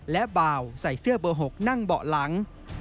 และบ่าวใส่เสื้อเบอร์๖นั่งเบาะหลัง